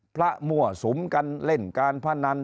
มั่วสุมกันเล่นการพนัน